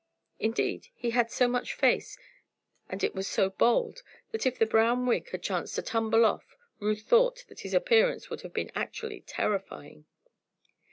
Indeed he had so much face, and it was so bald, that if the brown wig had chanced to tumble off Ruth thought that his appearance would have been actually terrifying.